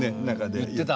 言ってた。